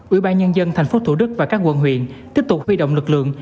ủy ban nhân dân tp hcm và các quận huyện tiếp tục huy động lực lượng